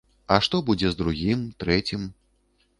А што будзе з другім, трэцім?